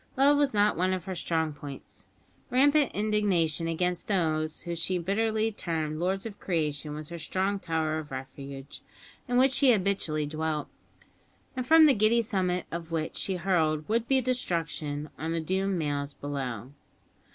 Love was not one of her strong points. Rampant indignation against those whom she bitterly termed "lords of creation" was her strong tower of refuge, in which she habitually dwelt, and from the giddy summit of which she hurled would be destruction on the doomed males below.